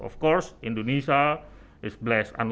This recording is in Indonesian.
tentu saja indonesia diberkati